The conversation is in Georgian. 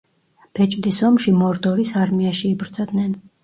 ბეჭდის ომში მორდორის არმიაში იბრძოდნენ.